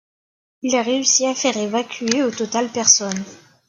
Il réussit à faire évacuer au total personnes.